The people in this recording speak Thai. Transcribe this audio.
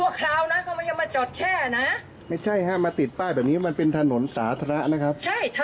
คุณป้าด่าใครควายไม่ทราบครับ